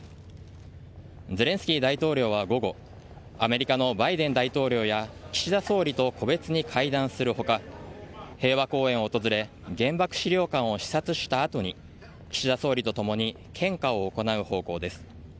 ゼレンスキー大統領は午後アメリカのバイデン大統領や岸田総理と個別に会談する他平和公園を訪れ原爆資料館を視察した後に岸田総理とともに献花を行う方向です。